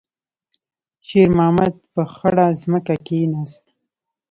شېرمحمد په خړه ځمکه کېناست.